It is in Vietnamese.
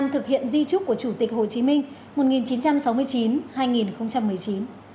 thực hiện di trúc của chủ tịch hồ chí minh